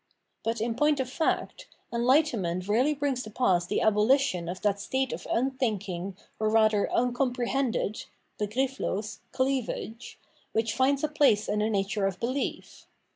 But in point of fact, enhghtenment really brings to pass the abohtion of that state of xmt h in k in g , or rather uncomprehended (begrifflos) cleavage, which finds a place in the nature of behef.